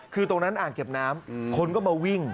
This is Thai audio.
คือตรงนั้นอ่างเก็บน้ำคนก็มาวิ่ง